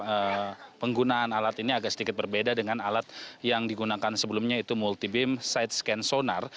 pada teknis pemakaian sebenarnya proses penggunaan alat ini agak sedikit berbeda dengan alat yang digunakan sebelumnya yaitu multibim side scan sonar